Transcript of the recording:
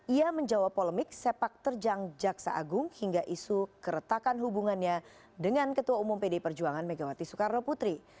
ia menjawab polemik sepak terjang jaksa agung hingga isu keretakan hubungannya dengan ketua umum pd perjuangan megawati soekarno putri